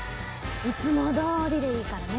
いつも通りでいいからね。